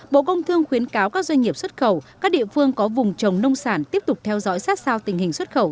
bộ công thương khuyến cáo các doanh nghiệp xuất khẩu các địa phương có vùng trồng nông sản tiếp tục theo dõi sát sao tình hình xuất khẩu